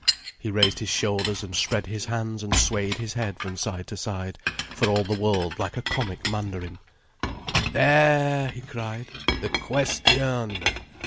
He raised his shoulders and spread his hands and swayed his head from side to side, for all the world like a comic mandarin. "There!" he cried. "The question!